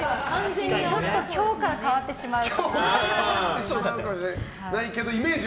ちょっと今日から変わってしまう。